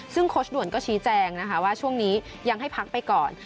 ซึ่งโค้ชด่วนก็ชี้แจงนะคะว่าช่วงนี้ยังให้พักไปก่อน